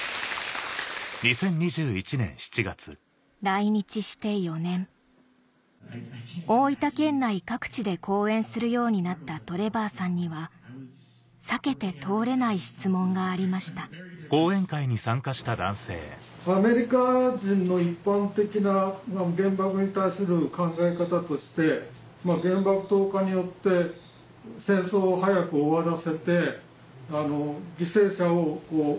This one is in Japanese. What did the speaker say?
来日して４年大分県内各地で講演するようになったトレバーさんには避けて通れない質問がありましたアメリカ人の一般的な原爆に対する考え方として原爆投下によって戦争を早く終わらせて犠牲者をこう。